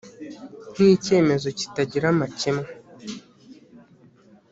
nk icyemezo kitagira amakemwa